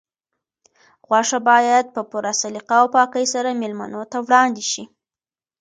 غوښه باید په پوره سلیقه او پاکۍ سره مېلمنو ته وړاندې شي.